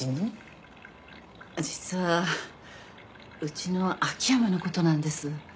実はうちの秋山のことなんです。